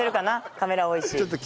カメラ多いし。